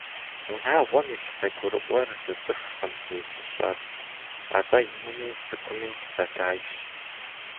Унагъуэм илъ зэгурыӏуэр зы цӏыхукъым зи фӏыщӏэр, атӏэ инми цӏыкӏуми зэдайщ.